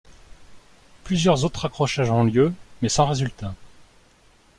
Plusieurs autres accrochages ont lieu, mais sans résultat.